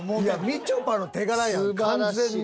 みちょぱの手柄やん完全に。